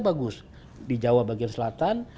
bagus di jawa bagian selatan